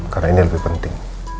karena ini lebih penting